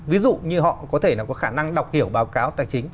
ví dụ như họ có thể có khả năng đọc hiểu báo cáo tài chính